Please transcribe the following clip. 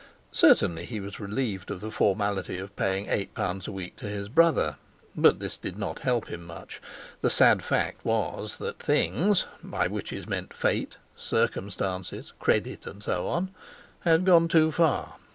Certainly he was relieved of the formality of paying eight pounds a week to his brother. But this did not help him much. The sad fact was that 'things' (by which is meant fate, circumstances, credit, and so on) had gone too far.